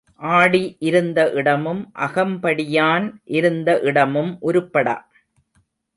ஆடி இருந்த இடமும் அகம்படியான் இருந்த இடமும் உருப்படா.